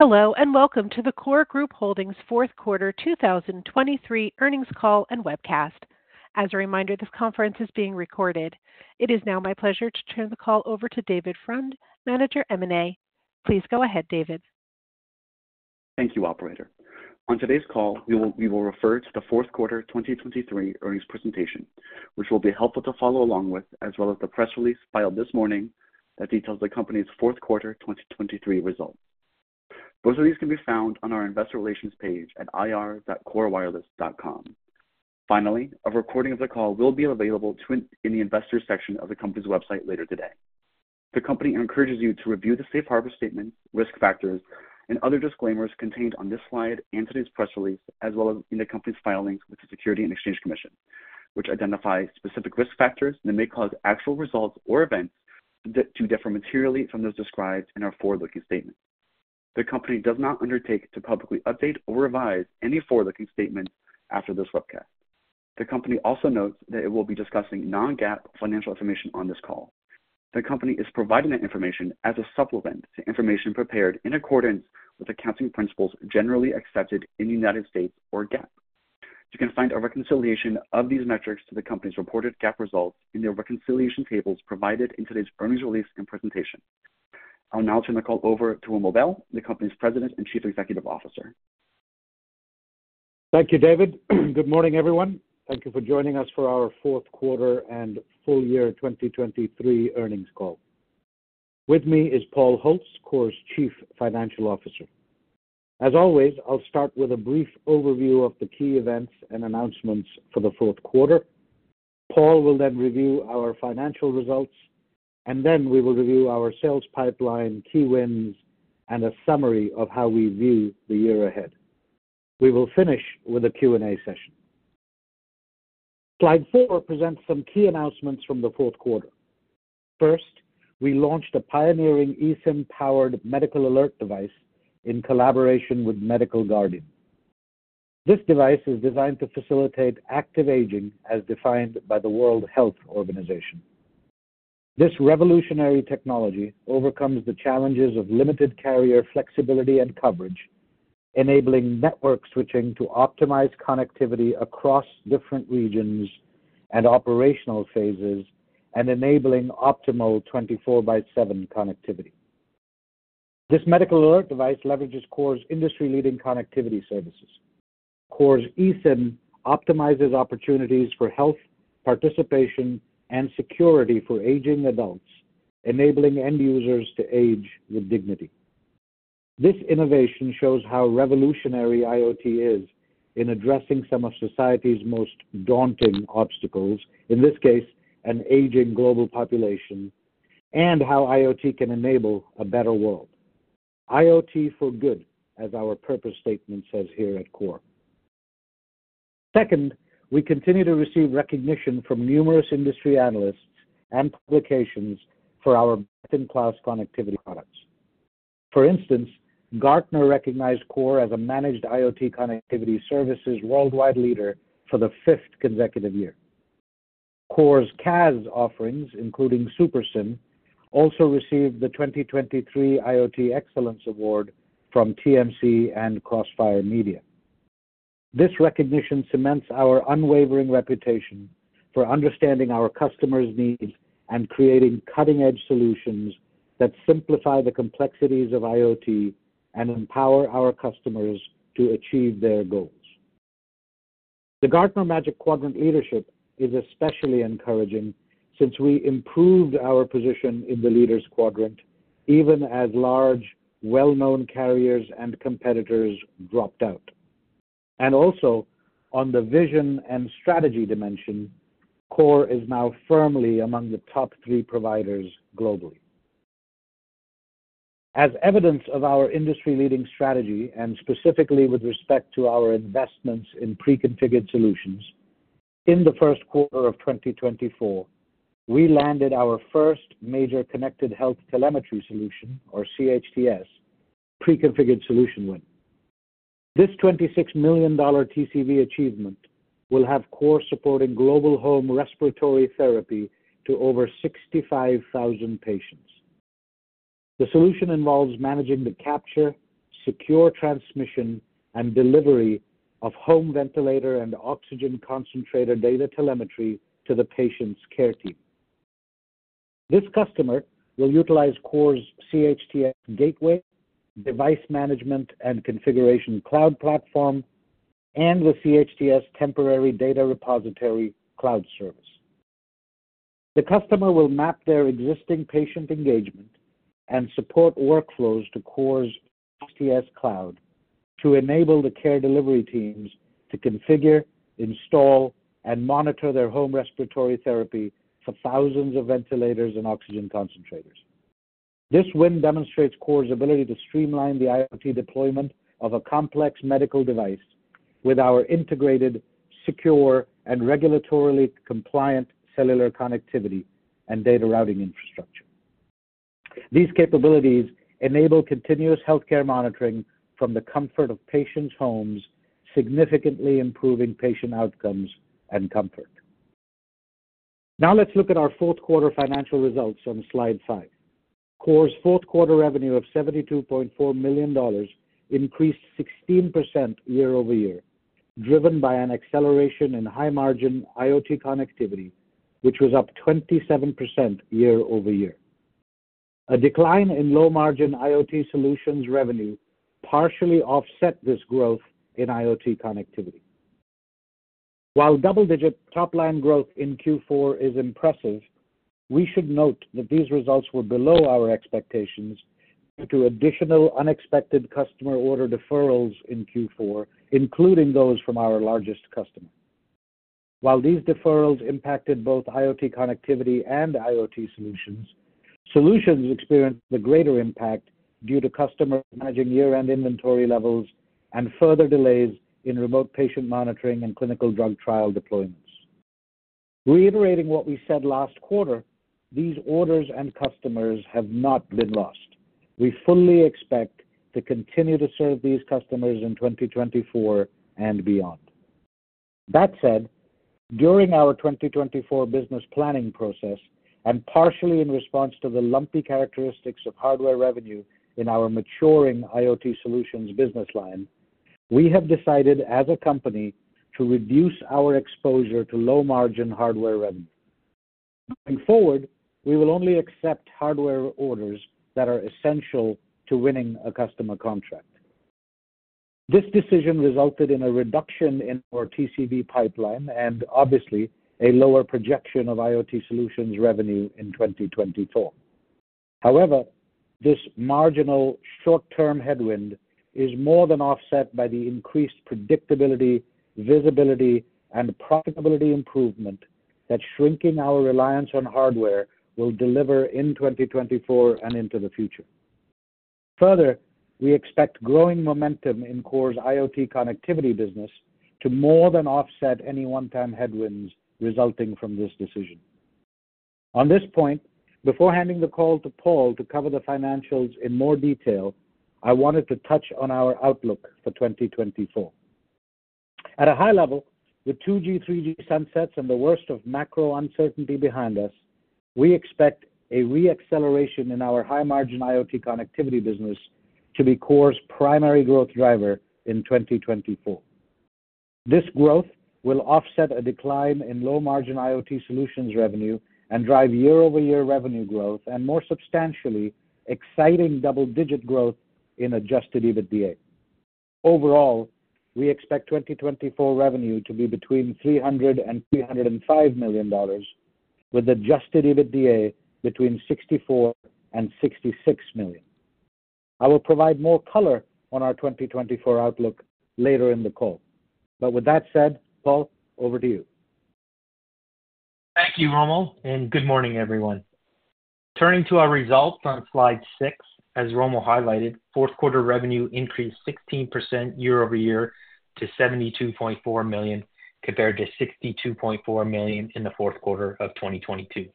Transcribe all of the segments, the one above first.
Hello and welcome to the KORE Group Holdings 4th Quarter 2023 earnings call and webcast. As a reminder, this conference is being recorded. It is now my pleasure to turn the call over to David Freund, Manager M&A. Please go ahead, David. Thank you, operator. On today's call, we will refer to the 4th Quarter 2023 earnings presentation, which will be helpful to follow along with, as well as the press release filed this morning that details the company's 4th Quarter 2023 results. Both of these can be found on our investor relations page at ir.korewireless.com. Finally, a recording of the call will be available in the investors section of the company's website later today. The company encourages you to review the safe harbor statements, risk factors, and other disclaimers contained on this slide and today's press release, as well as in the company's filings with the Securities and Exchange Commission, which identify specific risk factors that may cause actual results or events to differ materially from those described in our forward-looking statements. The company does not undertake to publicly update or revise any forward-looking statements after this webcast. The company also notes that it will be discussing non-GAAP financial information on this call. The company is providing that information as a supplement to information prepared in accordance with accounting principles generally accepted in the United States or GAAP. You can find a reconciliation of these metrics to the company's reported GAAP results in their reconciliation tables provided in today's earnings release and presentation. I'll now turn the call over to Romil Bahl, the company's President and Chief Executive Officer. Thank you, David. Good morning, everyone. Thank you for joining us for our 4th Quarter and full year 2023 earnings call. With me is Paul Holtz, KORE's Chief Financial Officer. As always, I'll start with a brief overview of the key events and announcements for the 4th Quarter. Paul will then review our financial results, and then we will review our sales pipeline, key wins, and a summary of how we view the year ahead. We will finish with a Q&A session. Slide four presents some key announcements from the 4th Quarter. First, we launched a pioneering eSIM-powered medical alert device in collaboration with Medical Guardian. This device is designed to facilitate active aging as defined by the World Health Organization. This revolutionary technology overcomes the challenges of limited carrier flexibility and coverage, enabling network switching to optimize connectivity across different regions and operational phases, and enabling optimal 24/7 connectivity. This medical alert device leverages KORE's industry-leading connectivity services. KORE's eSIM optimizes opportunities for health, participation, and security for aging adults, enabling end users to age with dignity. This innovation shows how revolutionary IoT is in addressing some of society's most daunting obstacles, in this case, an aging global population, and how IoT can enable a better world. IoT for good, as our purpose statement says here at KORE. Second, we continue to receive recognition from numerous industry analysts and publications for our best-in-class connectivity products. For instance, Gartner recognized KORE as a managed IoT connectivity services worldwide leader for the fifth consecutive year. KORE's CaaS offerings, including SuperSIM, also received the 2023 IoT Excellence Award from TMC and Crossfire Media. This recognition cements our unwavering reputation for understanding our customers' needs and creating cutting-edge solutions that simplify the complexities of IoT and empower our customers to achieve their goals. The Gartner Magic Quadrant leadership is especially encouraging since we improved our position in the leaders' quadrant, even as large, well-known carriers and competitors dropped out. And also, on the vision and strategy dimension, KORE is now firmly among the top three providers globally. As evidence of our industry-leading strategy, and specifically with respect to our investments in preconfigured solutions, in the first quarter of 2024, we landed our first major Connected Health Telemetry Solution, or CHTS, preconfigured solution win. This $26 million TCV achievement will have KORE supporting global home respiratory therapy to over 65,000 patients. The solution involves managing the capture, secure transmission, and delivery of home ventilator and oxygen concentrator data telemetry to the patient's care team. This customer will utilize KORE's CHTS Gateway, Device Management and Configuration Cloud Platform, and the CHTS Temporary Data Repository Cloud Service. The customer will map their existing patient engagement and support workflows to KORE's CHTS Cloud to enable the care delivery teams to configure, install, and monitor their home respiratory therapy for thousands of ventilators and oxygen concentrators. This win demonstrates KORE's ability to streamline the IoT deployment of a complex medical device with our integrated, secure, and regulatorily compliant cellular connectivity and data routing infrastructure. These capabilities enable continuous healthcare monitoring from the comfort of patients' homes, significantly improving patient outcomes and comfort. Now let's look at our 4th Quarter financial results on slide 5. KORE's 4th Quarter revenue of $72.4 million increased 16% year-over-year, driven by an acceleration in high-margin IoT connectivity, which was up 27% year-over-year. A decline in low-margin IoT solutions revenue partially offset this growth in IoT connectivity. While double-digit top-line growth in Q4 is impressive, we should note that these results were below our expectations due to additional unexpected customer order deferrals in Q4, including those from our largest customer. While these deferrals impacted both IoT connectivity and IoT solutions, solutions experienced the greater impact due to customer managing year-end inventory levels and further delays in remote patient monitoring and clinical drug trial deployments. Reiterating what we said last quarter, these orders and customers have not been lost. We fully expect to continue to serve these customers in 2024 and beyond. That said, during our 2024 business planning process, and partially in response to the lumpy characteristics of hardware revenue in our maturing IoT solutions business line, we have decided as a company to reduce our exposure to low-margin hardware revenue. Moving forward, we will only accept hardware orders that are essential to winning a customer contract. This decision resulted in a reduction in our TCV pipeline and, obviously, a lower projection of IoT solutions revenue in 2024. However, this marginal short-term headwind is more than offset by the increased predictability, visibility, and profitability improvement that shrinking our reliance on hardware will deliver in 2024 and into the future. Further, we expect growing momentum in KORE's IoT connectivity business to more than offset any one-time headwinds resulting from this decision. On this point, before handing the call to Paul to cover the financials in more detail, I wanted to touch on our outlook for 2024. At a high level, with 2G/3G sunsets and the worst of macro uncertainty behind us, we expect a re-acceleration in our high-margin IoT connectivity business to be KORE's primary growth driver in 2024. This growth will offset a decline in low-margin IoT solutions revenue and drive year-over-year revenue growth, and more substantially, exciting double-digit growth in Adjusted EBITDA. Overall, we expect 2024 revenue to be between $300-$305 million, with Adjusted EBITDA between $64-$66 million. I will provide more color on our 2024 outlook later in the call. With that said, Paul, over to you. Thank you, Romil, and good morning, everyone. Turning to our results on slide 6, as Romil highlighted, fourth quarter revenue increased 16% year-over-year to $72.4 million compared to $62.4 million in the fourth quarter of 2022.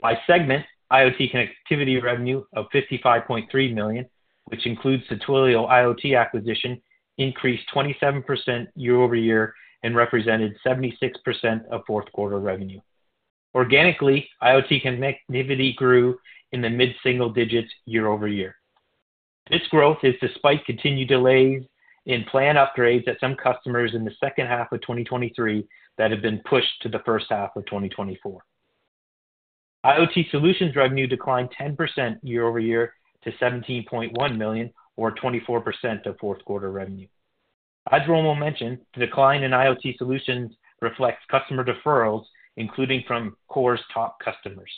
By segment, IoT connectivity revenue of $55.3 million, which includes Twilio IoT acquisition, increased 27% year-over-year and represented 76% of fourth quarter revenue. Organically, IoT connectivity grew in the mid-single digits year-over-year. This growth is despite continued delays in plan upgrades at some customers in the second half of 2023 that have been pushed to the first half of 2024. IoT solutions revenue declined 10% year-over-year to $17.1 million, or 24% of fourth quarter revenue. As Romil mentioned, the decline in IoT solutions reflects customer deferrals, including from KORE's top customers.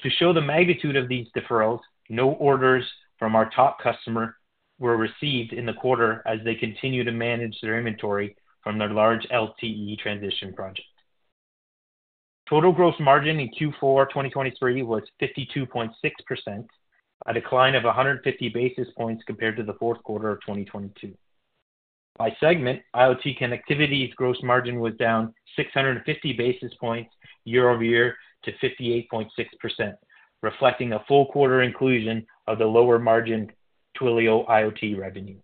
To show the magnitude of these deferrals, no orders from our top customer were received in the quarter as they continue to manage their inventory from their large LTE transition project. Total gross margin in Q4 2023 was 52.6%, a decline of 150 basis points compared to the 4th Quarter of 2022. By segment, IoT connectivity's gross margin was down 650 basis points year-over-year to 58.6%, reflecting a full quarter inclusion of the lower-margin Twilio IoT revenue.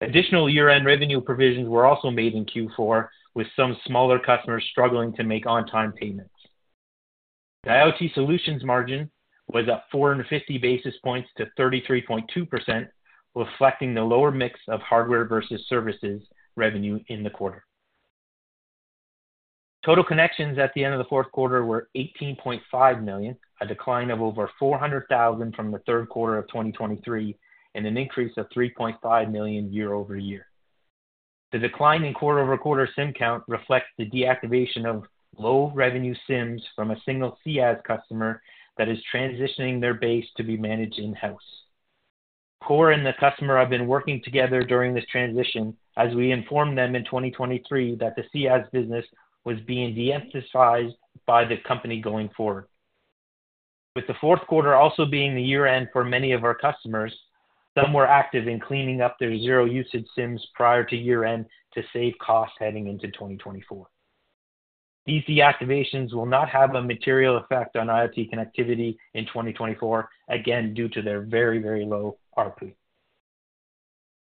Additional year-end revenue provisions were also made in Q4, with some smaller customers struggling to make on-time payments. The IoT solutions margin was up 450 basis points to 33.2%, reflecting the lower mix of hardware versus services revenue in the quarter. Total connections at the end of the 4th Quarter were 18.5 million, a decline of over 400,000 from the 3rd Quarter of 2023 and an increase of 3.5 million year-over-year. The decline in quarter-over-quarter SIM count reflects the deactivation of low-revenue SIMs from a single CaaS customer that is transitioning their base to be managed in-house. KORE and the customer have been working together during this transition as we informed them in 2023 that the CaaS business was being de-emphasized by the company going forward. With the 4th Quarter also being the year-end for many of our customers, some were active in cleaning up their zero-usage SIMs prior to year-end to save costs heading into 2024. These deactivations will not have a material effect on IoT connectivity in 2024, again due to their very, very low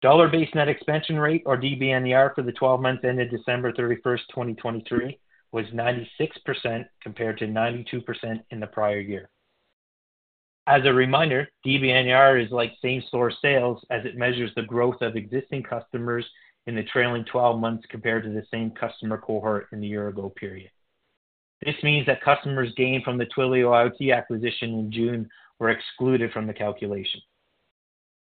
RPU. Dollar-Based Net Expansion Rate, or DBNER, for the 12 months ended December 31, 2023 was 96% compared to 92% in the prior year. As a reminder, DBNER is like same-store sales as it measures the growth of existing customers in the trailing 12 months compared to the same customer cohort in the year-ago period. This means that customers gained from the Twilio IoT acquisition in June were excluded from the calculation.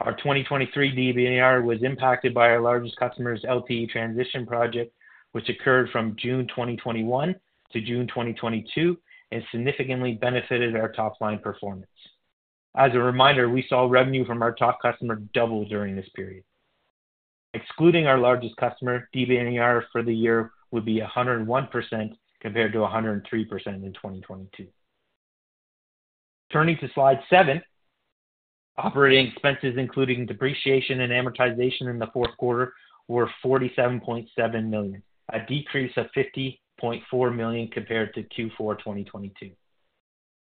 Our 2023 DBNER was impacted by our largest customer's LTE transition project, which occurred from June 2021 to June 2022 and significantly benefited our top-line performance. As a reminder, we saw revenue from our top customer double during this period. Excluding our largest customer, DBNER for the year would be 101% compared to 103% in 2022. Turning to slide 7, operating expenses, including depreciation and amortization in the 4th quarter, were $47.7 million, a decrease of $50.4 million compared to Q4 2022.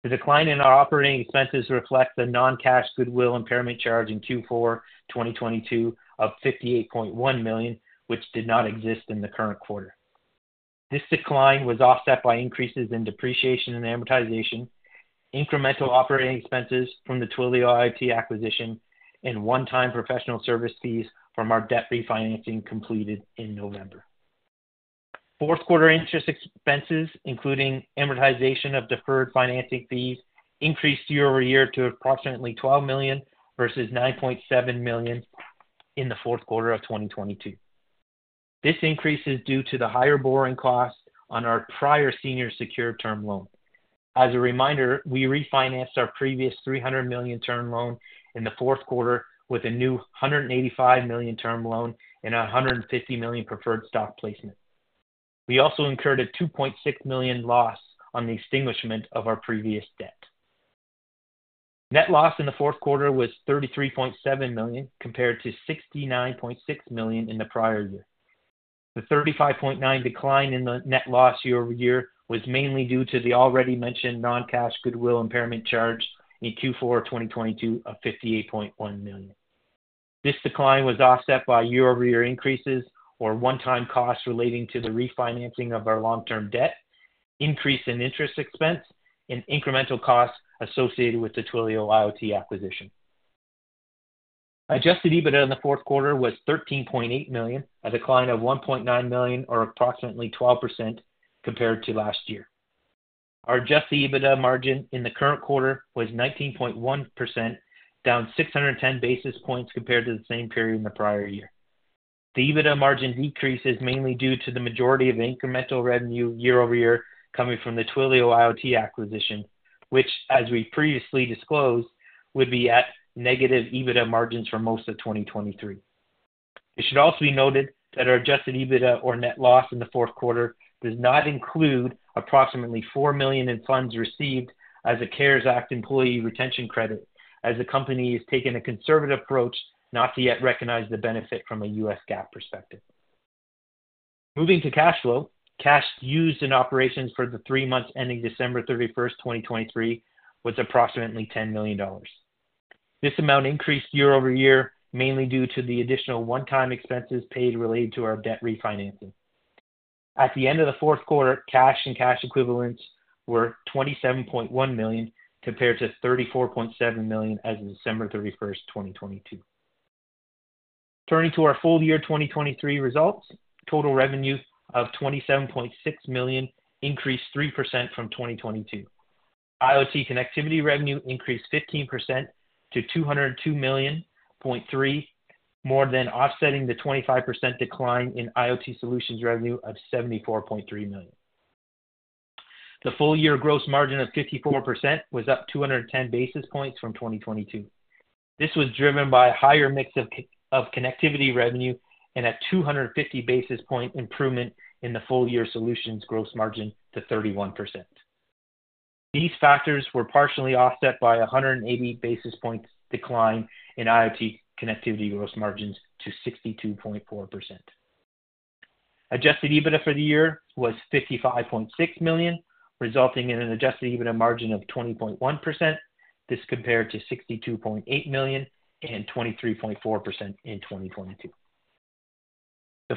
The decline in our operating expenses reflects a non-cash goodwill impairment charge in Q4 2022 of $58.1 million, which did not exist in the current quarter. This decline was offset by increases in depreciation and amortization, incremental operating expenses from the Twilio IoT acquisition, and one-time professional service fees from our debt refinancing completed in November. Fourth quarter interest expenses, including amortization of deferred financing fees, increased year-over-year to approximately $12 million versus $9.7 million in the 4th quarter of 2022. This increase is due to the higher borrowing cost on our prior senior secured term loan. As a reminder, we refinanced our previous $300 million term loan in the 4th Quarter with a new $185 million term loan and $150 million preferred stock placement. We also incurred a $2.6 million loss on the extinguishment of our previous debt. Net loss in the 4th Quarter was $33.7 million compared to $69.6 million in the prior year. The 35.9% decline in the net loss year-over-year was mainly due to the already mentioned non-cash goodwill impairment charge in Q4 2022 of $58.1 million. This decline was offset by year-over-year increases, or one-time costs relating to the refinancing of our long-term debt, increase in interest expense, and incremental costs associated with the Twilio IoT acquisition. Adjusted EBITDA in the 4th Quarter was $13.8 million, a decline of $1.9 million, or approximately 12% compared to last year. Our adjusted EBITDA margin in the current quarter was 19.1%, down 610 basis points compared to the same period in the prior year. The EBITDA margin decrease is mainly due to the majority of incremental revenue year-over-year coming from the Twilio IoT acquisition, which, as we previously disclosed, would be at negative EBITDA margins for most of 2023. It should also be noted that our adjusted EBITDA, or net loss in the 4th Quarter, does not include approximately $4 million in funds received as a CARES Act employee retention credit as the company has taken a conservative approach not to yet recognize the benefit from a U.S. GAAP perspective. Moving to cash flow, cash used in operations for the three months ending December 31, 2023, was approximately $10 million. This amount increased year-over-year mainly due to the additional one-time expenses paid related to our debt refinancing. At the end of the 4th Quarter, cash and cash equivalents were $27.1 million compared to $34.7 million as of December 31, 2022. Turning to our full-year 2023 results, total revenue of $27.6 million increased 3% from 2022. IoT connectivity revenue increased 15% to $202.3 million, more than offsetting the 25% decline in IoT solutions revenue of $74.3 million. The full-year gross margin of 54% was up 210 basis points from 2022. This was driven by a higher mix of connectivity revenue and a 250 basis point improvement in the full-year solutions gross margin to 31%. These factors were partially offset by a 180 basis points decline in IoT connectivity gross margins to 62.4%. Adjusted EBITDA for the year was $55.6 million, resulting in an adjusted EBITDA margin of 20.1%. This compared to $62.8 million and 23.4% in 2022. The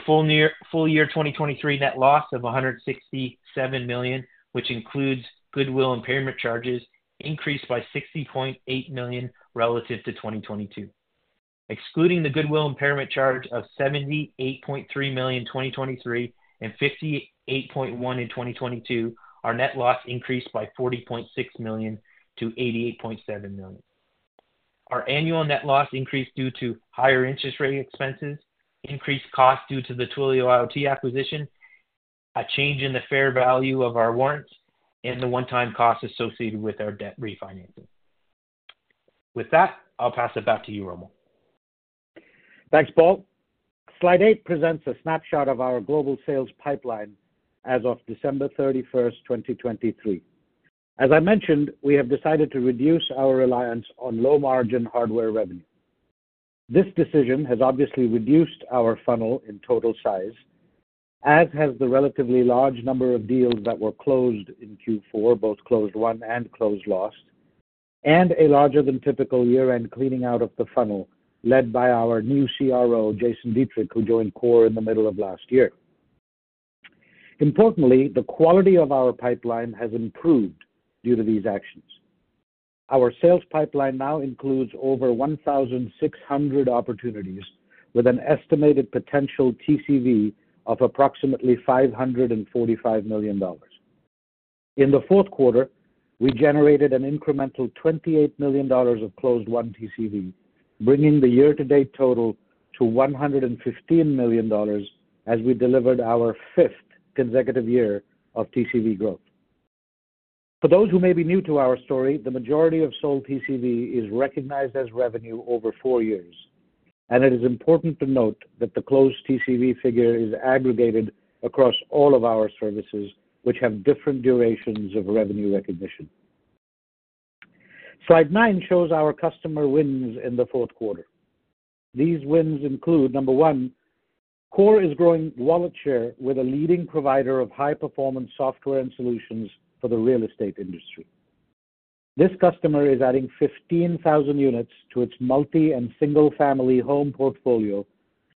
full-year 2023 net loss of $167 million, which includes goodwill impairment charges, increased by $60.8 million relative to 2022. Excluding the goodwill impairment charge of $78.3 million in 2023 and $58.1 million in 2022, our net loss increased by $40.6 million to $88.7 million. Our annual net loss increased due to higher interest rate expenses, increased costs due to the Twilio IoT acquisition, a change in the fair value of our warrants, and the one-time costs associated with our debt refinancing. With that, I'll pass it back to you, Romil. Thanks, Paul. Slide eight presents a snapshot of our global sales pipeline as of December 31, 2023. As I mentioned, we have decided to reduce our reliance on low-margin hardware revenue. This decision has obviously reduced our funnel in total size, as has the relatively large number of deals that were closed in Q4, both closed-won and closed-lost, and a larger-than-typical year-end cleaning out of the funnel led by our new CRO, Jason Dietrich, who joined KORE in the middle of last year. Importantly, the quality of our pipeline has improved due to these actions. Our sales pipeline now includes over 1,600 opportunities with an estimated potential TCV of approximately $545 million. In the 4th Quarter, we generated an incremental $28 million of closed-won TCV, bringing the year-to-date total to $115 million as we delivered our fifth consecutive year of TCV growth. For those who may be new to our story, the majority of sold TCV is recognized as revenue over four years, and it is important to note that the closed TCV figure is aggregated across all of our services, which have different durations of revenue recognition. Slide 9 shows our customer wins in the 4th quarter. These wins include number one, KORE is growing wallet share with a leading provider of high-performance software and solutions for the real estate industry. This customer is adding 15,000 units to its multi- and single-family home portfolio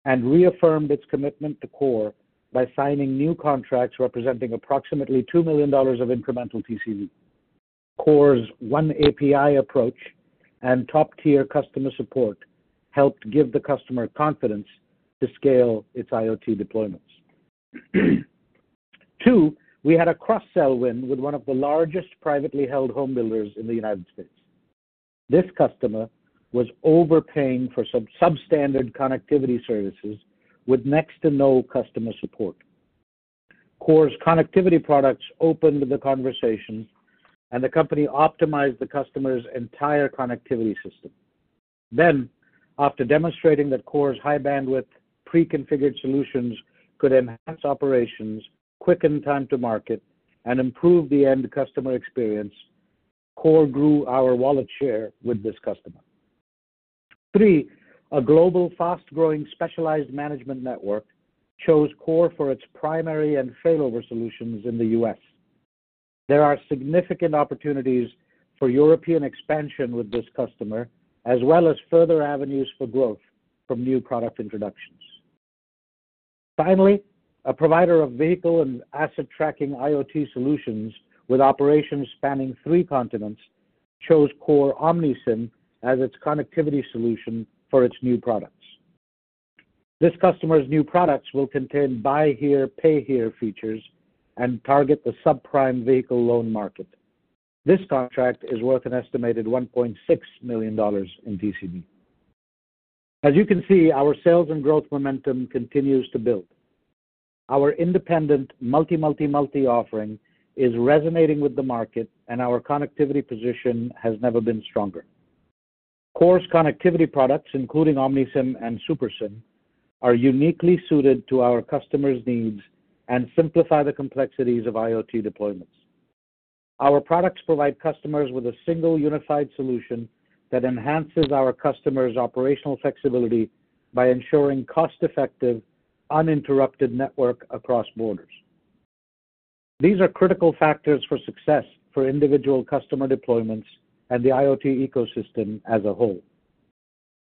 and reaffirmed its commitment to KORE by signing new contracts representing approximately $2 million of incremental TCV. KORE's one API approach and top-tier customer support helped give the customer confidence to scale its IoT deployments. Two, we had a cross-sell win with one of the largest privately held homebuilders in the United States. This customer was overpaying for substandard connectivity services with next-to-no customer support. KORE's connectivity products opened the conversation, and the company optimized the customer's entire connectivity system. Then, after demonstrating that KORE's high-bandwidth preconfigured solutions could enhance operations, quicken time-to-market, and improve the end customer experience, KORE grew our wallet share with this customer. three, a global, fast-growing specialized management network chose KORE for its primary and failover solutions in the U.S. There are significant opportunities for European expansion with this customer, as well as further avenues for growth from new product introductions. Finally, a provider of vehicle and asset tracking IoT solutions with operations spanning three continents chose KORE OmniSIM as its connectivity solution for its new products. This customer's new products will contain buy-here, pay-here features, and target the subprime vehicle loan market. This contract is worth an estimated $1.6 million in TCV. As you can see, our sales and growth momentum continues to build. Our independent multi-multi-multi offering is resonating with the market, and our connectivity position has never been stronger. KORE's connectivity products, including OmniSIM and SuperSIM, are uniquely suited to our customer's needs and simplify the complexities of IoT deployments. Our products provide customers with a single unified solution that enhances our customer's operational flexibility by ensuring cost-effective, uninterrupted network across borders. These are critical factors for success for individual customer deployments and the IoT ecosystem as a whole.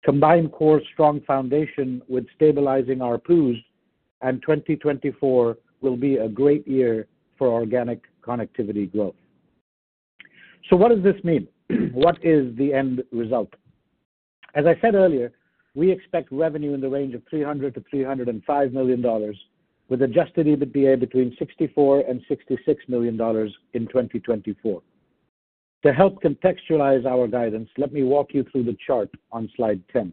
Combine KORE's strong foundation with stabilizing our RPUs, and 2024 will be a great year for organic connectivity growth. So what does this mean? What is the end result? As I said earlier, we expect revenue in the range of $300million-$305 million, with Adjusted EBITDA between $64 million-$66 million in 2024. To help contextualize our guidance, let me walk you through the chart on slide 10.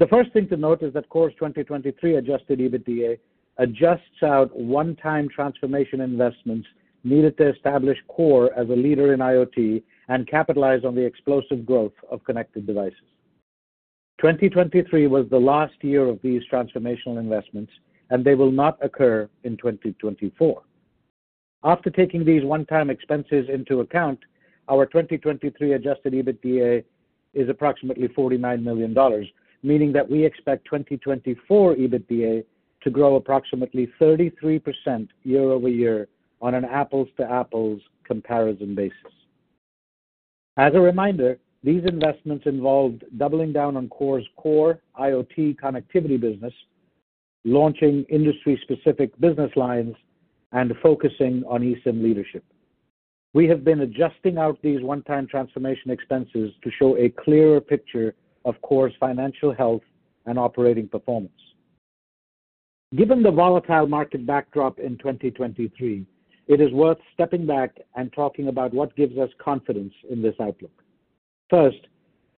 The first thing to note is that KORE's 2023 adjusted EBITDA adjusts out one-time transformation investments needed to establish KORE as a leader in IoT and capitalize on the explosive growth of connected devices. 2023 was the last year of these transformational investments, and they will not occur in 2024. After taking these one-time expenses into account, our 2023 adjusted EBITDA is approximately $49 million, meaning that we expect 2024 EBITDA to grow approximately 33% year-over-year on an apples-to-apples comparison basis. As a reminder, these investments involved doubling down on KORE's core IoT connectivity business, launching industry-specific business lines, and focusing on eSIM leadership. We have been adjusting out these one-time transformation expenses to show a clearer picture of KORE's financial health and operating performance. Given the volatile market backdrop in 2023, it is worth stepping back and talking about what gives us confidence in this outlook. First,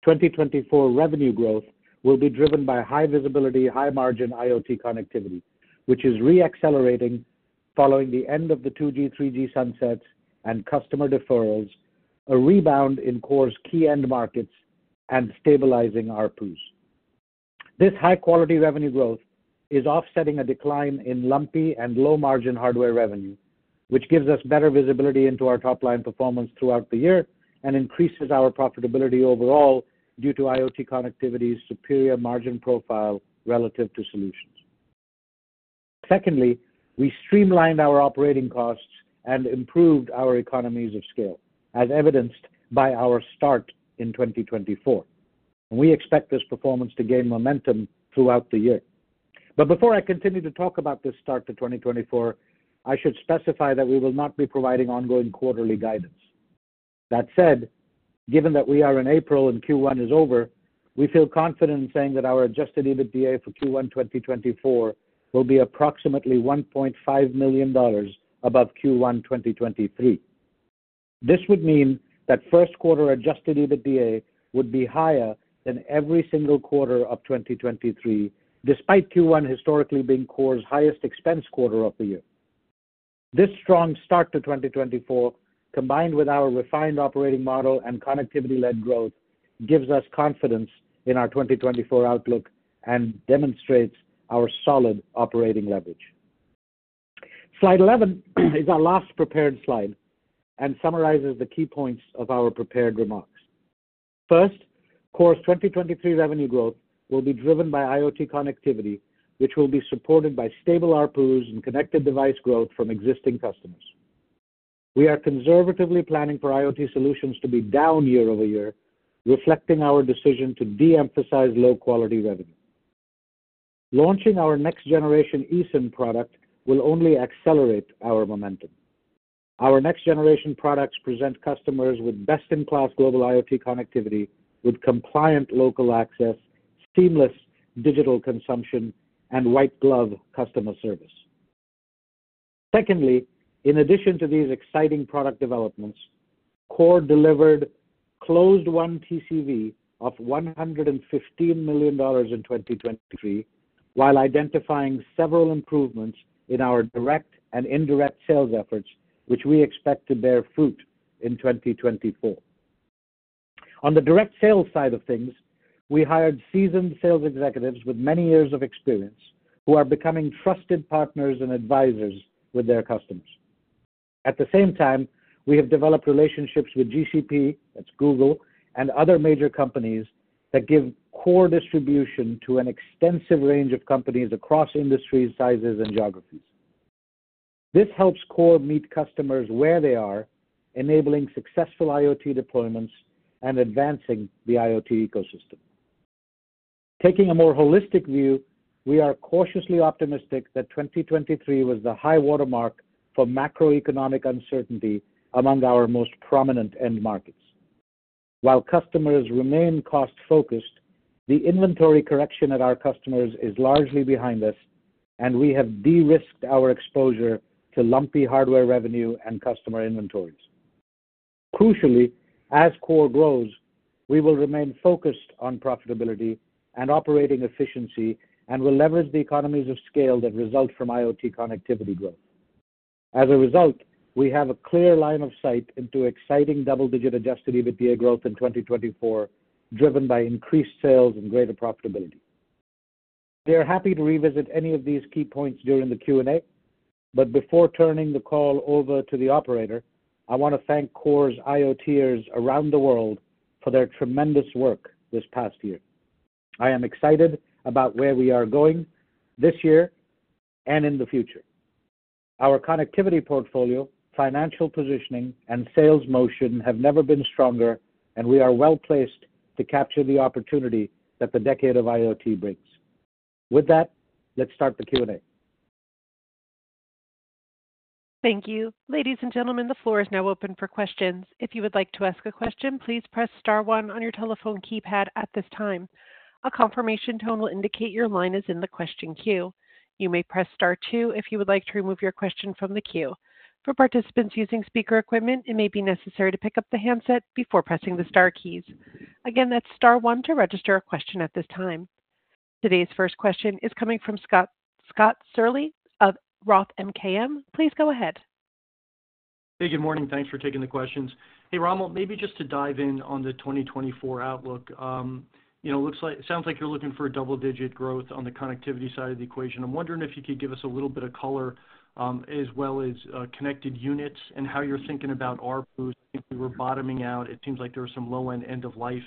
2024 revenue growth will be driven by high-visibility, high-margin IoT connectivity, which is reaccelerating following the end of the 2G/3G sunsets and customer deferrals, a rebound in KORE's key end markets, and stabilizing RPUs. This high-quality revenue growth is offsetting a decline in lumpy and low-margin hardware revenue, which gives us better visibility into our top-line performance throughout the year and increases our profitability overall due to IoT connectivity's superior margin profile relative to solutions. Secondly, we streamlined our operating costs and improved our economies of scale, as evidenced by our start in 2024, and we expect this performance to gain momentum throughout the year. But before I continue to talk about this start to 2024, I should specify that we will not be providing ongoing quarterly guidance. That said, given that we are in April and Q1 is over, we feel confident in saying that our Adjusted EBITDA for Q1 2024 will be approximately $1.5 million above Q1 2023. This would mean that first-quarter Adjusted EBITDA would be higher than every single quarter of 2023, despite Q1 historically being KORE's highest expense quarter of the year. This strong start to 2024, combined with our refined operating model and connectivity-led growth, gives us confidence in our 2024 outlook and demonstrates our solid operating leverage. Slide 11 is our last prepared slide and summarizes the key points of our prepared remarks. First, KORE's 2023 revenue growth will be driven by IoT connectivity, which will be supported by stable RPUs and connected device growth from existing customers. We are conservatively planning for IoT solutions to be down year-over-year, reflecting our decision to de-emphasize low-quality revenue. Launching our next-generation eSIM product will only accelerate our momentum. Our next-generation products present customers with best-in-class global IoT connectivity with compliant local access, seamless digital consumption, and white-glove customer service. Secondly, in addition to these exciting product developments, KORE delivered closed one TCV of $115 million in 2023 while identifying several improvements in our direct and indirect sales efforts, which we expect to bear fruit in 2024. On the direct sales side of things, we hired seasoned sales executives with many years of experience who are becoming trusted partners and advisors with their customers. At the same time, we have developed relationships with GCP, that's Google, and other major companies that give KORE distribution to an extensive range of companies across industries, sizes, and geographies. This helps KORE meet customers where they are, enabling successful IoT deployments and advancing the IoT ecosystem. Taking a more holistic view, we are cautiously optimistic that 2023 was the high-watermark for macroeconomic uncertainty among our most prominent end markets. While customers remain cost-focused, the inventory correction at our customers is largely behind us, and we have de-risked our exposure to lumpy hardware revenue and customer inventories. Crucially, as KORE grows, we will remain focused on profitability and operating efficiency and will leverage the economies of scale that result from IoT connectivity growth. As a result, we have a clear line of sight into exciting double-digit Adjusted EBITDA growth in 2024, driven by increased sales and greater profitability. We are happy to revisit any of these key points during the Q&A, but before turning the call over to the operator, I want to thank KORE's IoTeers around the world for their tremendous work this past year. I am excited about where we are going this year and in the future. Our connectivity portfolio, financial positioning, and sales motion have never been stronger, and we are well-placed to capture the opportunity that the decade of IoT brings. With that, let's start the Q&A. Thank you. Ladies and gentlemen, the floor is now open for questions. If you would like to ask a question, please press star one on your telephone keypad at this time. A confirmation tone will indicate your line is in the question queue. You may press star two if you would like to remove your question from the queue. For participants using speaker equipment, it may be necessary to pick up the handset before pressing the star keys. Again, that's star one to register a question at this time. Today's first question is coming from Scott Searle of Roth MKM. Please go ahead. Hey, good morning. Thanks for taking the questions. Hey, Romil, maybe just to dive in on the 2024 outlook. It sounds like you're looking for double-digit growth on the connectivity side of the equation. I'm wondering if you could give us a little bit of color as well as connected units and how you're thinking about RPUs. I think we were bottoming out. It seems like there were some low-end end-of-life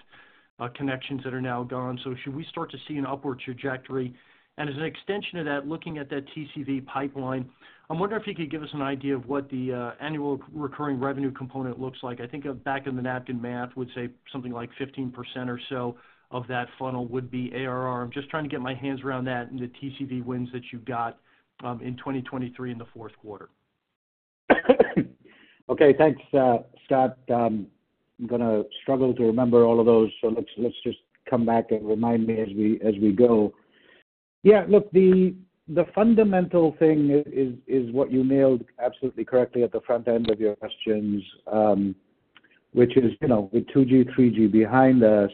connections that are now gone. So should we start to see an upward trajectory? And as an extension of that, looking at that TCV pipeline, I'm wondering if you could give us an idea of what the annual recurring revenue component looks like. I think back in the napkin math would say something like 15% or so of that funnel would be ARR. I'm just trying to get my hands around that and the TCV wins that you got in 2023 in the fourth quarter? Okay. Thanks, Scott. I'm going to struggle to remember all of those, so let's just come back and remind me as we go. Yeah, look, the fundamental thing is what you nailed absolutely correctly at the front end of your questions, which is with 2G/3G behind us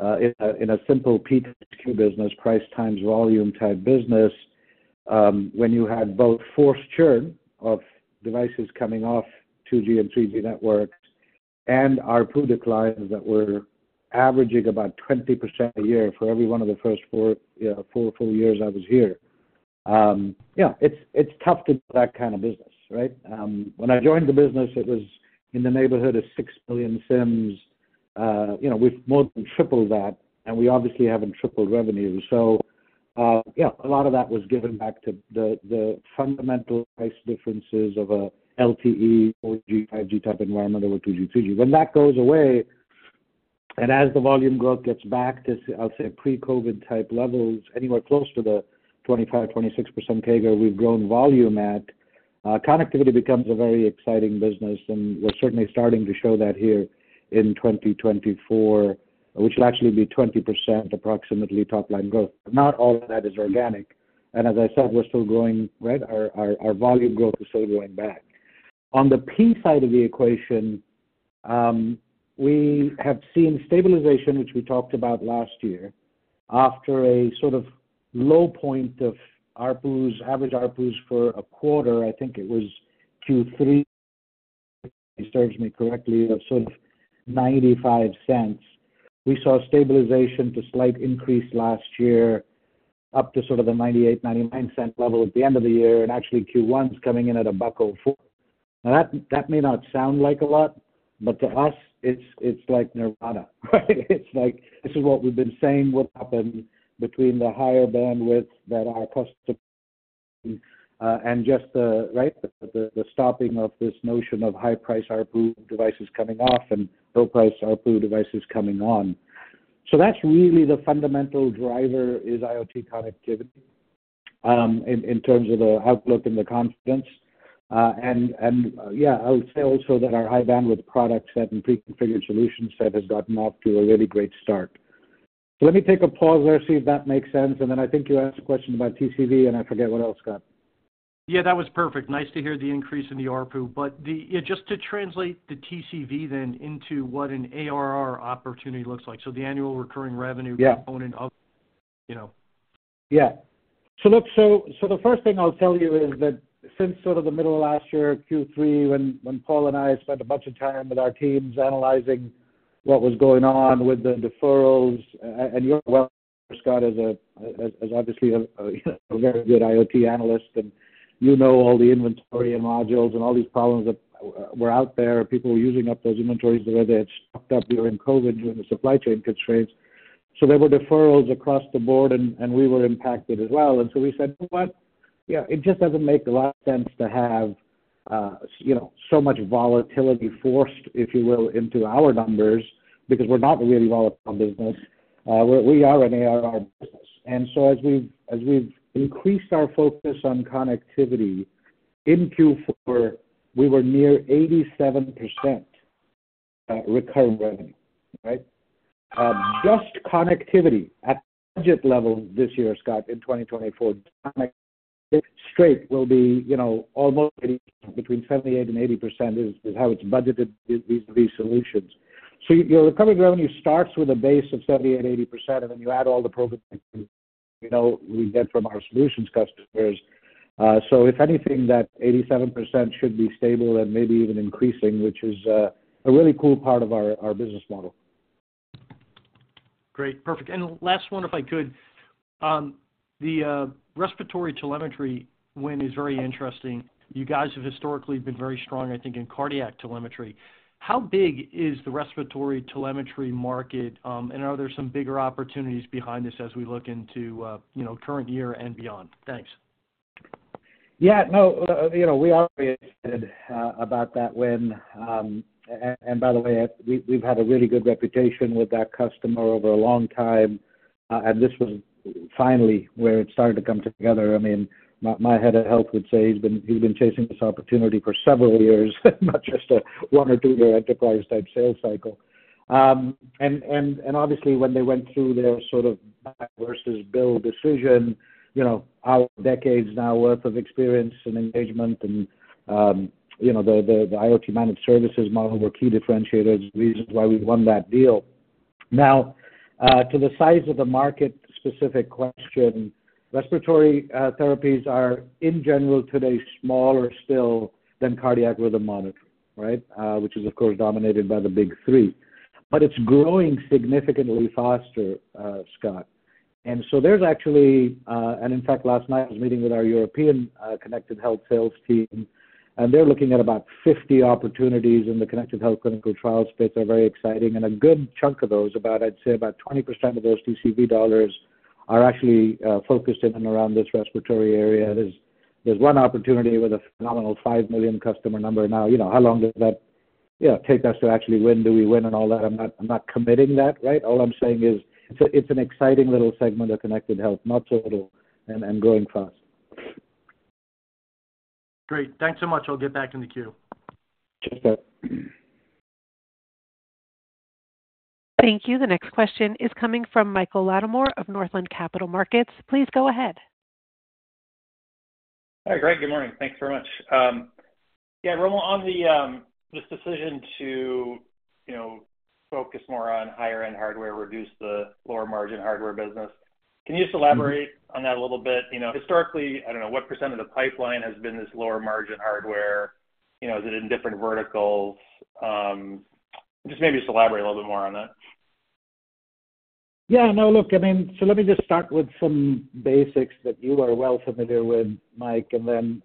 in a simple P times Q business, price-times-volume type business, when you had both forced churn of devices coming off 2G and 3G networks and RPU declines that were averaging about 20% a year for every one of the first four full years I was here. Yeah, it's tough to do that kind of business, right? When I joined the business, it was in the neighborhood of 6 million SIMs. We've more than tripled that, and we obviously haven't tripled revenue. So yeah, a lot of that was given back to the fundamental price differences of an LTE/4G/5G type environment over 2G/3G. When that goes away and as the volume growth gets back to, I'll say, pre-COVID-type levels, anywhere close to the 25%-26% CAGR we've grown volume at, connectivity becomes a very exciting business, and we're certainly starting to show that here in 2024, which will actually be approximately 20% top-line growth. Not all of that is organic. And as I said, we're still growing, right? Our volume growth is still going back. On the P side of the equation, we have seen stabilization, which we talked about last year, after a sort of low point of average RPUs for a quarter, I think it was Q3, if memory serves me correctly, of sort of $0.95. We saw stabilization to slight increase last year up to sort of the $0.98-$0.99 level at the end of the year, and actually Q1's coming in at $1.04. Now, that may not sound like a lot, but to us, it's like nirvana, right? It's like, "This is what we've been saying will happen between the higher bandwidth that our customers and just the, right, the stopping of this notion of high-price RPU devices coming off and low-price RPU devices coming on." So that's really the fundamental driver is IoT connectivity in terms of the outlook and the confidence. And yeah, I'll say also that our high-bandwidth product set and preconfigured solution set has gotten off to a really great start. So let me take a pause there, see if that makes sense, and then I think you asked a question about TCV, and I forget what else, Scott. Yeah, that was perfect. Nice to hear the increase in the RPU. But just to translate the TCV then into what an ARR opportunity looks like, so the annual recurring revenue component of. Yeah. So look, so the first thing I'll tell you is that since sort of the middle of last year, Q3, when Paul and I spent a bunch of time with our teams analyzing what was going on with the deferrals and you're well, Scott, as obviously a very good IoT analyst, and you know all the inventory and modules and all these problems that were out there. People were using up those inventories the way they had stocked up during COVID, during the supply chain constraints. So there were deferrals across the board, and we were impacted as well. And so we said, "You know what? Yeah, it just doesn't make a lot of sense to have so much volatility forced, if you will, into our numbers because we're not a really volatile business. We are an ARR business." And so as we've increased our focus on connectivity in Q4, we were near 87% recurring revenue, right? Just connectivity at budget level this year, Scott, in 2024, straight will be almost between 78%-80% is how it's budgeted these solutions. So your recurring revenue starts with a base of 78%-80%, and then you add all the programs that we get from our solutions customers. So if anything, that 87% should be stable and maybe even increasing, which is a really cool part of our business model. Great. Perfect. And last one, if I could. The respiratory telemetry win is very interesting. You guys have historically been very strong, I think, in cardiac telemetry. How big is the respiratory telemetry market, and are there some bigger opportunities behind this as we look into current year and beyond? Thanks. Yeah. No, we are really excited about that win. And by the way, we've had a really good reputation with that customer over a long time, and this was finally where it started to come together. I mean, my head of health would say he's been chasing this opportunity for several years, not just a one- or two-year enterprise-type sales cycle. And obviously, when they went through their sort of buy versus build decision, our decades now worth of experience and engagement and the IoT-managed services model were key differentiators, reasons why we won that deal. Now, to the size of the market-specific question, respiratory therapies are, in general, today smaller still than cardiac rhythm monitoring, right, which is, of course, dominated by the big three. But it's growing significantly faster, Scott. And so there's actually and in fact, last night, I was meeting with our European connected health sales team, and they're looking at about 50 opportunities in the connected health clinical trial space that are very exciting. A good chunk of those, I'd say about 20% of those TCV dollars, are actually focused in and around this respiratory area. There's one opportunity with a phenomenal $5 million customer number. Now, how long does that take us to actually win? Do we win and all that? I'm not committing that, right? All I'm saying is it's an exciting little segment of connected health, not total, and growing fast. Great. Thanks so much. I'll get back in the queue. Cheers to that. Thank you. The next question is coming from Mike Latimore of Northland Capital Markets. Please go ahead. Hi. Great. Good morning. Thanks very much. Yeah, Romil, on this decision to focus more on higher-end hardware, reduce the lower-margin hardware business, can you just elaborate on that a little bit? Historically, I don't know, what % of the pipeline has been this lower-margin hardware? Is it in different verticals? Just maybe just elaborate a little bit more on that. Yeah. No, look, I mean, so let me just start with some basics that you are well familiar with, Mike, and then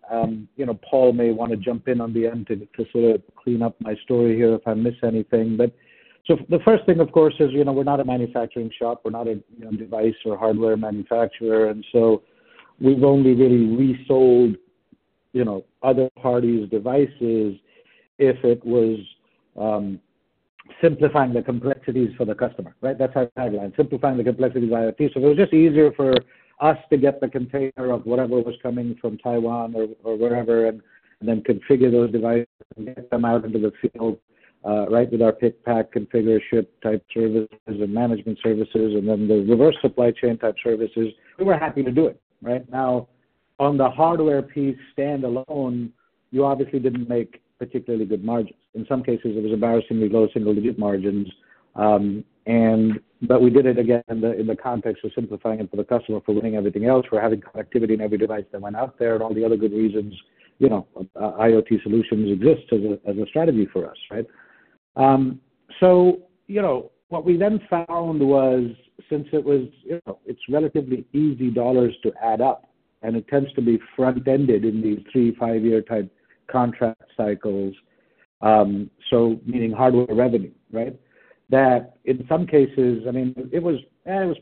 Paul may want to jump in on the end to sort of clean up my story here if I miss anything. So the first thing, of course, is we're not a manufacturing shop. We're not a device or hardware manufacturer. And so we've only really resold other parties' devices if it was simplifying the complexities for the customer, right? That's our tagline: simplifying the complexities of IoT. So it was just easier for us to get the container of whatever was coming from Taiwan or wherever and then configure those devices and get them out into the field, right, with our pickpack, configure, ship type services and management services, and then the reverse supply chain type services. We were happy to do it, right? Now, on the hardware piece standalone, you obviously didn't make particularly good margins. In some cases, it was embarrassingly low single-digit margins. But we did it, again, in the context of simplifying it for the customer, for winning everything else. We're having connectivity in every device that went out there and all the other good reasons. IoT solutions exist as a strategy for us, right? So what we then found was since it's relatively easy dollars to add up, and it tends to be front-ended in these three, five-year type contract cycles, so meaning hardware revenue, right, that in some cases, I mean, it was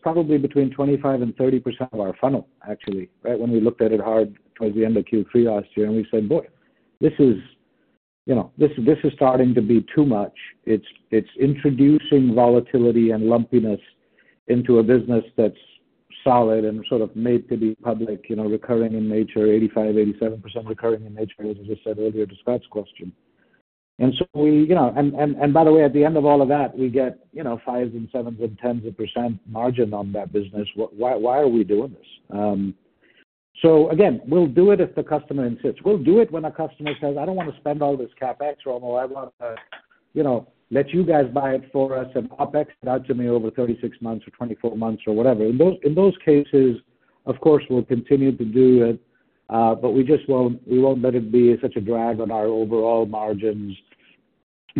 probably between 25%-30% of our funnel, actually, right, when we looked at it hard towards the end of Q3 last year. And we said, "Boy, this is starting to be too much. It's introducing volatility and lumpiness into a business that's solid and sort of made to be public, recurring in nature, 85%-87% recurring in nature," as I just said earlier to Scott's question. And so we and by the way, at the end of all of that, we get 5% and 7% and 10% margin on that business. Why are we doing this? So again, we'll do it if the customer insists. We'll do it when a customer says, "I don't want to spend all this CapEx, Romil. I want to let you guys buy it for us and OPEX it out to me over 36 months or 24 months or whatever." In those cases, of course, we'll continue to do it, but we won't let it be such a drag on our overall margins.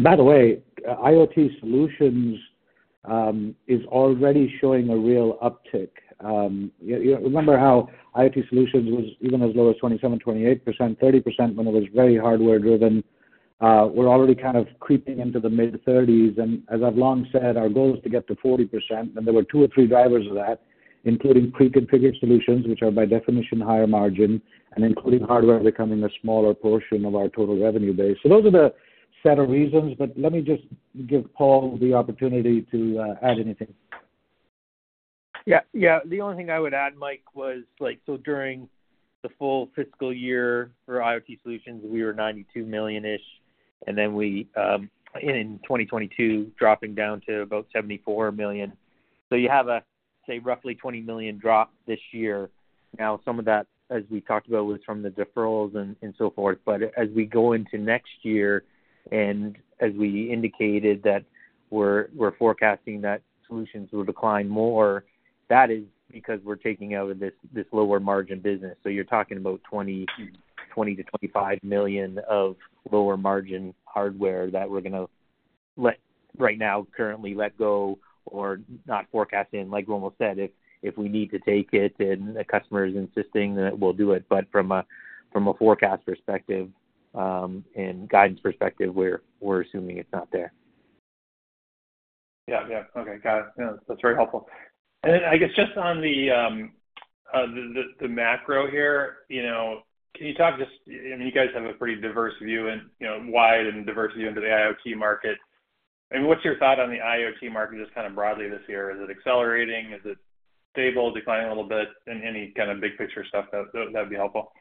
By the way, IoT solutions is already showing a real uptick. Remember how IoT solutions was even as low as 27%-28%, 30% when it was very hardware-driven? We're already kind of creeping into the mid-30s. And as I've long said, our goal is to get to 40%, and there were two or three drivers of that, including preconfigured solutions, which are by definition higher margin, and including hardware becoming a smaller portion of our total revenue base. So those are the set of reasons, but let me just give Paul the opportunity to add anything. Yeah. Yeah. The only thing I would add, Mike, was so during the full fiscal year for IoT solutions, we were $92 million-ish, and then in 2022, dropping down to about $74 million. So you have a, say, roughly $20 million drop this year. Now, some of that, as we talked about, was from the deferrals and so forth. But as we go into next year and as we indicated that we're forecasting that solutions will decline more, that is because we're taking out of this lower-margin business. So you're talking about $20 million-$25 million of lower-margin hardware that we're going to right now, currently, let go or not forecast in. Like Romil said, if we need to take it and the customer is insisting, then we'll do it. But from a forecast perspective and guidance perspective, we're assuming it's not there. Yeah. Yeah. Okay. Got it. That's very helpful. And then I guess just on the macro here, can you talk just I mean, you guys have a pretty diverse view and wide and diverse view into the IoT market. I mean, what's your thought on the IoT market just kind of broadly this year? Is it accelerating? Is it stable, declining a little bit? And any kind of big-picture stuff, that'd be helpful.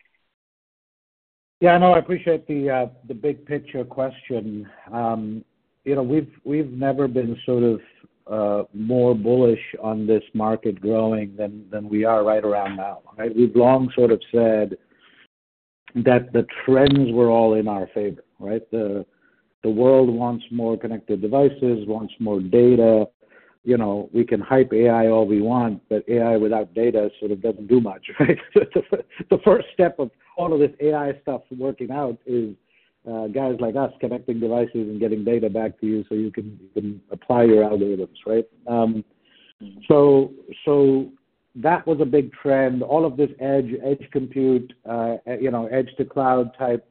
Yeah. No, I appreciate the big-picture question. We've never been sort of more bullish on this market growing than we are right around now, right? We've long sort of said that the trends were all in our favor, right? The world wants more connected devices, wants more data. We can hype AI all we want, but AI without data sort of doesn't do much, right? The first step of all of this AI stuff working out is guys like us connecting devices and getting data back to you so you can apply your algorithms, right? So that was a big trend. All of this edge compute, edge-to-cloud type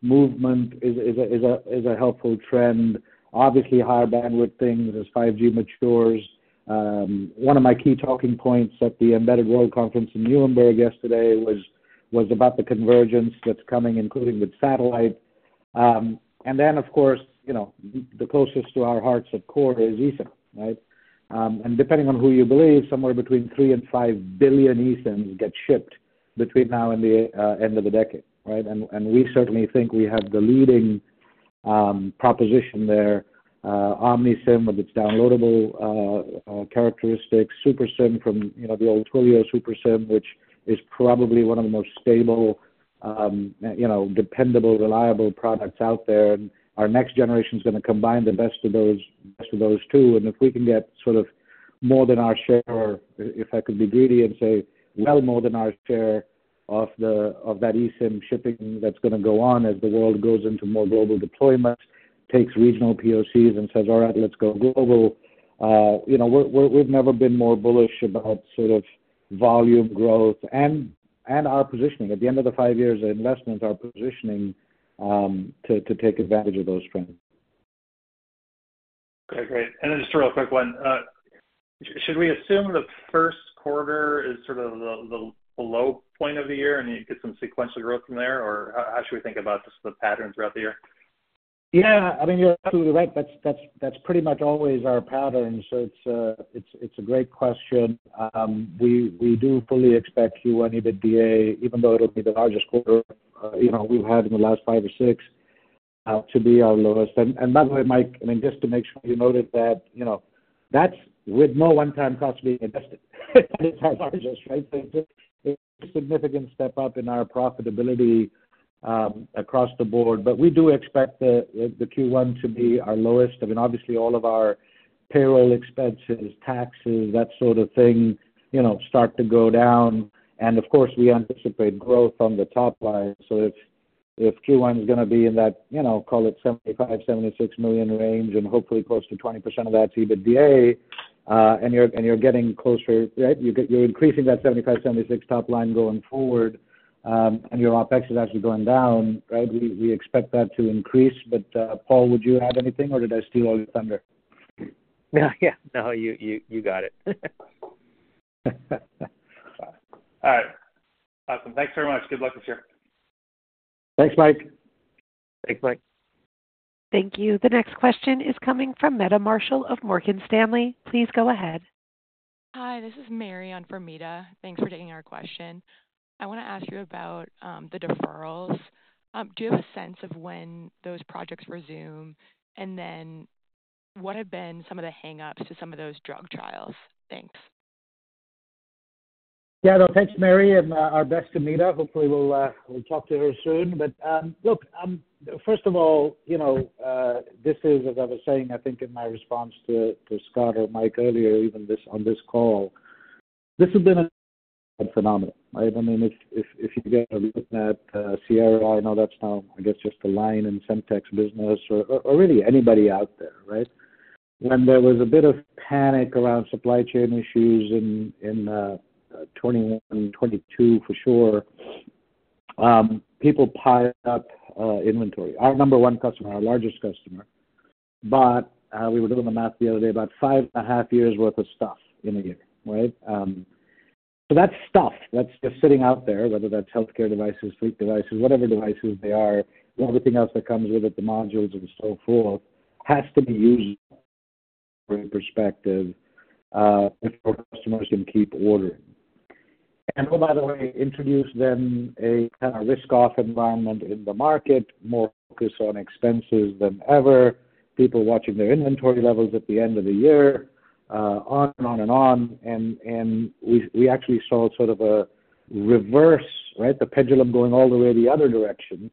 movement is a helpful trend. Obviously, higher-bandwidth things as 5G matures. One of my key talking points at the Embedded World Conference in Nuremberg yesterday was about the convergence that's coming, including with satellite. And then, of course, the closest to our hearts at KORE is eSIM, right? And depending on who you believe, somewhere between 3 and 5 billion eSIMs get shipped between now and the end of the decade, right? And we certainly think we have the leading proposition there, OmniSIM with its downloadable characteristics, SuperSIM from the old Twilio SuperSIM, which is probably one of the most stable, dependable, reliable products out there. And our next generation is going to combine the best of those two. And if we can get sort of more than our share, if I could be greedy and say well more than our share of that eSIM shipping that's going to go on as the world goes into more global deployments, takes regional POCs, and says, "All right. Let's go global," we've never been more bullish about sort of volume growth and our positioning. At the end of the five years of investments, our positioning to take advantage of those trends. Okay. Great. And then just a real quick one. Should we assume the first quarter is sort of the low point of the year and you get some sequential growth from there, or how should we think about the pattern throughout the year? Yeah. I mean, you're absolutely right. That's pretty much always our pattern. So it's a great question. We do fully expect Q1 EBITDA, even though it'll be the largest quarter we've had in the last five or six, to be our lowest. And by the way, Mike, I mean, just to make sure you noted that that's with no one-time costs being invested, that is our largest, right? So it's a significant step up in our profitability across the board. But we do expect the Q1 to be our lowest. I mean, obviously, all of our payroll expenses, taxes, that sort of thing start to go down. And of course, we anticipate growth on the top line. So if Q1 is going to be in that, call it, $75-$76 million range and hopefully close to 20% of that's EBITDA and you're getting closer, right, you're increasing that $75-$76 top line going forward, and your OpEx is actually going down, right, we expect that to increase. But Paul, would you add anything, or did I steal all your thunder? Yeah. Yeah. No, you got it. All right. Awesome. Thanks very much. Good luck this year. Thanks, Mike. Thanks, Mike. Thank you. The next question is coming from Meta Marshall of Morgan Stanley. Please go ahead. Hi. This is Mary on for Meta. Thanks for taking our question. I want to ask you about the deferrals. Do you have a sense of when those projects resume and then what have been some of the hang-ups to some of those drug trials? Thanks. Yeah. No, thanks, Mary, and our best, for Meta. Hopefully, we'll talk to her soon. But look, first of all, this is, as I was saying, I think, in my response to Scott or Mike earlier, even on this call, this has been a phenomenon, right? I mean, if you get a look at Sierra, I know that's now, I guess, just a line in Semtech business or really anybody out there, right, when there was a bit of panic around supply chain issues in 2021, 2022 for sure, people piled up inventory, our number one customer, our largest customer. But we were doing the math the other day, about 5.5 years' worth of stuff in a year, right? So that's stuff that's just sitting out there, whether that's healthcare devices, fleet devices, whatever devices they are, everything else that comes with it, the modules, and so forth, has to be used from a perspective before customers can keep ordering. And oh, by the way, introduce then a kind of risk-off environment in the market, more focus on expenses than ever, people watching their inventory levels at the end of the year, on and on and on. And we actually saw sort of a reverse, right, the pendulum going all the way the other direction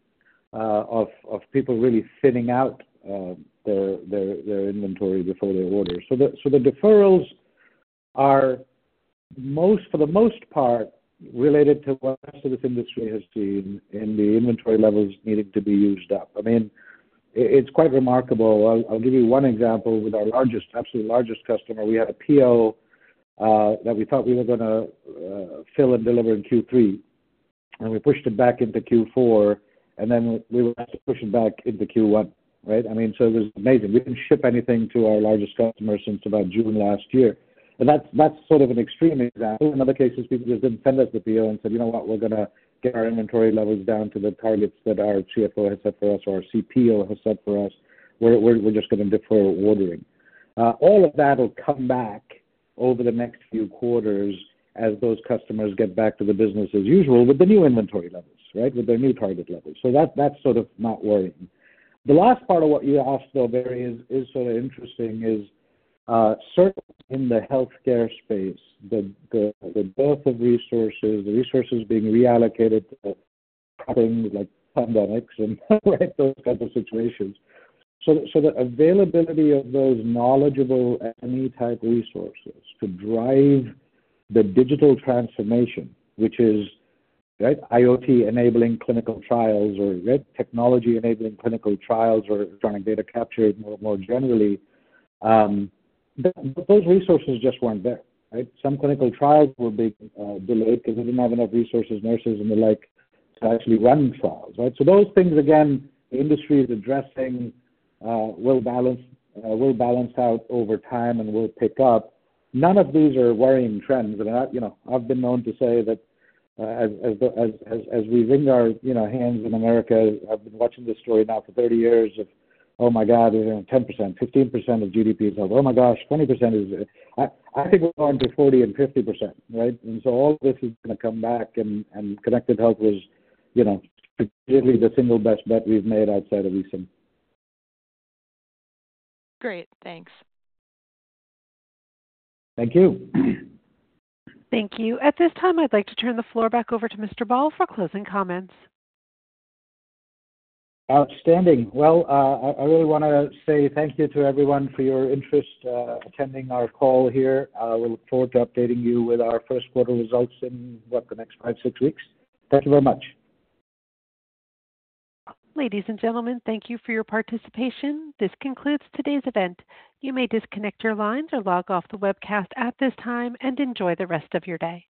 of people really thinning out their inventory before they order. So the deferrals are, for the most part, related to what most of this industry has seen in the inventory levels needing to be used up. I mean, it's quite remarkable. I'll give you one example. With our absolute largest customer, we had a PO that we thought we were going to fill and deliver in Q3, and we pushed it back into Q4, and then we were asked to push it back into Q1, right? I mean, so it was amazing. We didn't ship anything to our largest customer since about June last year. And that's sort of an extreme example. In other cases, people just didn't send us the PO and said, "You know what? We're going to get our inventory levels down to the targets that our CFO has set for us or our CPO has set for us. We're just going to defer ordering." All of that will come back over the next few quarters as those customers get back to the business as usual with the new inventory levels, right, with their new target levels. So that's sort of not worrying. The last part of what you asked, though, Mary, is sort of interesting. It is certainly in the healthcare space, the dearth of resources, the resources being reallocated to things like pandemics and, right, those kinds of situations. So the availability of those knowledgeable SME-type resources to drive the digital transformation, which is, right, IoT-enabling clinical trials or, right, technology-enabling clinical trials or electronic data capture more generally, those resources just weren't there, right? Some clinical trials were being delayed because they didn't have enough resources, nurses, and the like, to actually run trials, right? So those things, again, the industry is addressing, will balance out over time, and will pick up. None of these are worrying trends. And I've been known to say that as we wring our hands in America, I've been watching this story now for 30 years of, "Oh my God, 10%, 15% of GDP is health. Oh my gosh, 20% is. I think we're going to 40% and 50%, right? And so all of this is going to come back. And connected health was strategically the single best bet we've made outside of eSIM. Great. Thanks. Thank you. Thank you. At this time, I'd like to turn the floor back over to Mr. Bahl for closing comments. Outstanding. Well, I really want to say thank you to everyone for your interest attending our call here. We'll look forward to updating you with our first-quarter results in, what, the next 5, 6 weeks. Thank you very much. Ladies and gentlemen, thank you for your participation. This concludes today's event. You may disconnect your lines or log off the webcast at this time and enjoy the rest of your day.